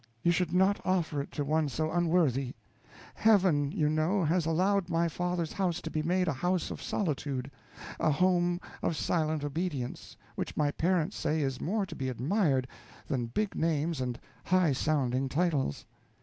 _ you should not offer it to one so unworthy. Heaven, you know, has allowed my father's house to be made a house of solitude, a home of silent obedience, which my parents say is more to be admired than big names and high sounding titles.